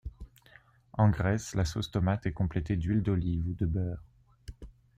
En Grèce, la sauce tomate est complétée d'huile d'olive ou de beurre.